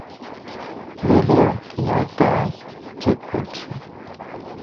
রেলের কিনারাটা চেক করছি।